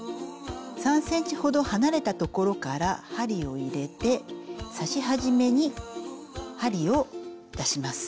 ３ｃｍほど離れた所から針を入れて刺し始めに針を出します。